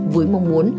với mong muốn